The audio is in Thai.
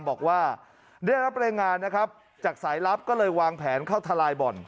บอกว่าได้รับรายงานนะครับจากสายลับก็เลยวางแผนเข้าทลายบ่อน